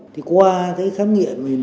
thì qua cái khám nghiệm hiện trường